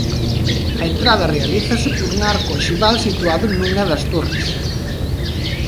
A entrada realízase por un arco oxival situado nunha das torres.